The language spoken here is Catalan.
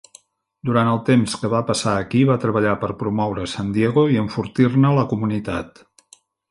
Durant el temps que va passar aquí, va treballar per promoure San Diego i enfortir-ne la comunitat.